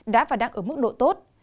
đã và đang ở mức độ tốt